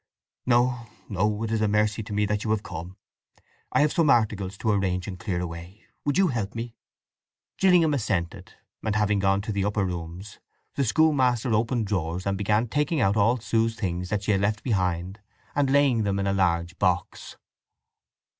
"No, no. It is a mercy to me that you have come. I have some articles to arrange and clear away. Would you help me?" Gillingham assented; and having gone to the upper rooms the schoolmaster opened drawers, and began taking out all Sue's things that she had left behind, and laying them in a large box.